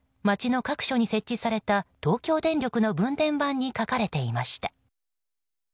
街の各所に設置された東京電力の分電盤に書かれていました。